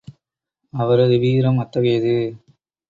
அவரது வீரம் அத்தகையது.